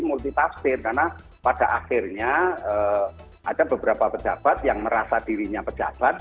jadi multi tapsir karena pada akhirnya ada beberapa pejabat yang merasa dirinya pejabat